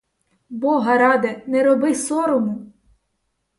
Бога ради, не роби сорому!